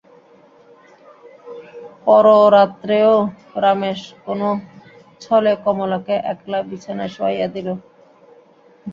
পররাত্রেও রমেশ কোনো ছলে কমলাকে একলা বিছানায় শোয়াইয়া দিল।